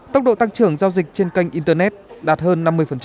tốc độ tăng trưởng giao dịch trên kênh internet đạt hơn năm mươi